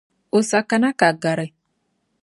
O sa kana ka gari.